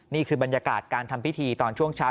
นี่คือบรรยากาศการทำพิธีตอนช่วงเช้า